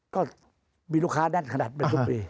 ก็มีลูกค้านัดขนาดเป็นทุ่ปี